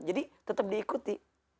jadi tetap diikuti